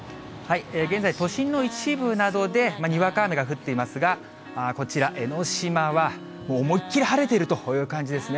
現在、都心の一部などでにわか雨が降っていますが、こちら、江の島はもう、思いっ切り晴れているという感じですね。